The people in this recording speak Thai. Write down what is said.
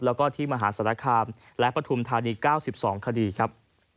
แล้วก็ที่มหาศาลคามและปฐุมธานี๙๒คดีครับ